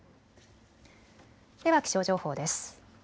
では気象情報です。